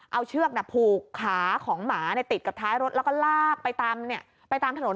เอาเชือกผูกขาของหมาติดกับท้ายรถแล้วก็ลากไปตามถนน